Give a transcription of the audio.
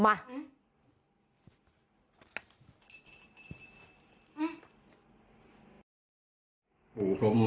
อ๋ออาจารย์ฟิลิป